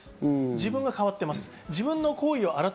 自分が変わっています。